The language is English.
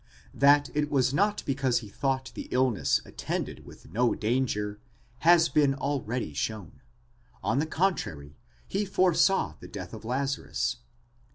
That it was not because he thought the illness attended with no danger, has been already shown; on the contrary, he foresaw the death of Lazarus.